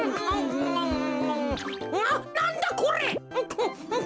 ななんだこれ。